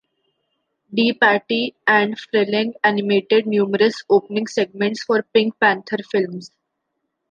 DePatie and Freleng animated numerous opening segments for Pink Panther films.